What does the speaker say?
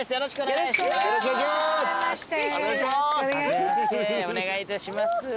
初めましてお願いいたします。